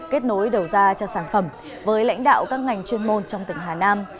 kết nối đầu ra cho sản phẩm với lãnh đạo các ngành chuyên môn trong tỉnh hà nam